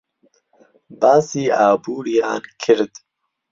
باسی ئابووریان کرد.